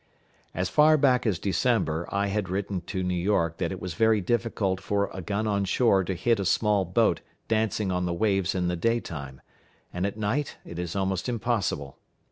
As far back as December I had written to New York that it was very difficult for a gun on shore to hit a small boat dancing on the waves in the daytime, and at night it is almost impossible.